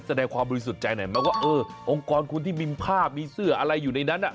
แสดงความบริสุทธิ์ใจหน่อยไหมว่าเออองค์กรคุณที่มีภาพมีเสื้ออะไรอยู่ในนั้น